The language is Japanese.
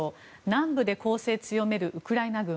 南部で攻勢を強めるウクライナ軍。